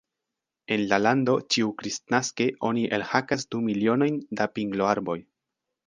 En la lando ĉiukristnaske oni elhakas du milionojn da pingloarboj.